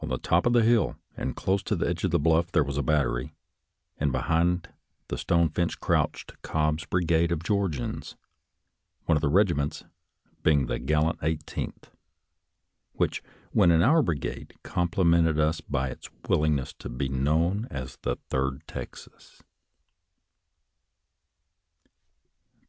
On the top of the hill, and close to the edge of the bluff there was a battery, and behind the stone fence crouched Cobb's brigade of Georgians — one of the regi ments being the gallant Eighteenth, which, when in our brigade, complimented us by its willing ness to be known as the Third Texas.